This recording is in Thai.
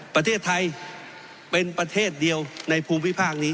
ประเทศไทยเป็นประเทศเดียวในภูมิภาคนี้